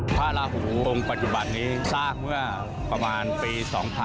พระราหูองค์ปัจจุบันนี้สร้างเมื่อประมาณปี๒๕๕๙